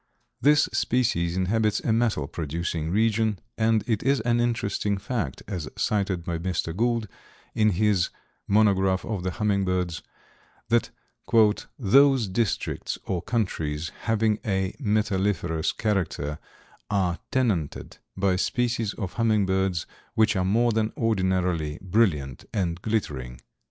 This species inhabits a metal producing region and it is an interesting fact, as cited by Mr. Gould in his "Monograph of the Hummingbirds," that "those districts or countries having a metalliferous character are tenanted by species of hummingbirds which are more than ordinarily brilliant and glittering."